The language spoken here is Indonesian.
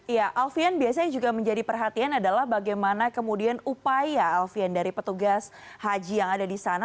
ya alfian biasanya juga menjadi perhatian adalah bagaimana kemudian upaya alfian dari petugas haji yang ada di sana